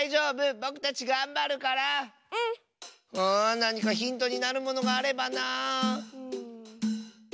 なにかヒントになるものがあればなあ。